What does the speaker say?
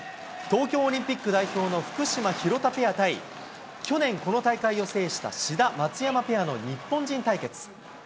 東京オリンピック代表の福島・廣田ペア対、去年、この大会を制した志田・松山ペアの日本人対決。